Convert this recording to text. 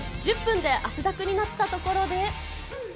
１０分で汗だくになったところで。